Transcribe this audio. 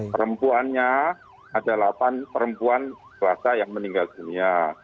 perempuannya ada delapan perempuan kelasa yang meninggal dunia